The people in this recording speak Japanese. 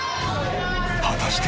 果たして。